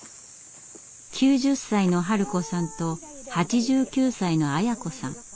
９０歳のハル子さんと８９歳のアヤ子さん。